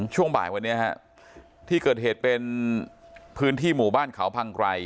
ช่วงบ่ายวันนี้ฮะที่เกิดเหตุเป็นพื้นที่หมู่บ้านเขาพังไกร